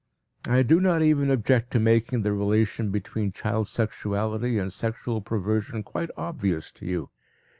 I do not even object to making the relation between child sexuality and sexual perversion quite obvious to you.